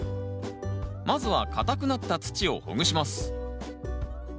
まずは固くなった土をほぐします